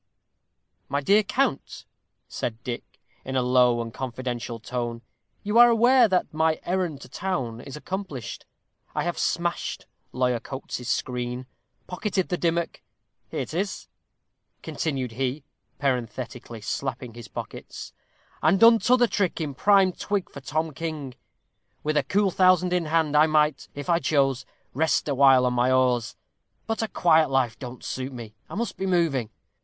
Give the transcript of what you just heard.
"My dear count," said Dick, in a low and confidential tone, "you are aware that my errand to town is accomplished. I have smashed Lawyer Coates's screen, pocketed the dimmock here 'tis," continued he, parenthetically, slapping his pockets, "and done t'other trick in prime twig for Tom King. With a cool thousand in hand, I might, if I chose, rest awhile on my oars. But a quiet life don't suit me. I must be moving.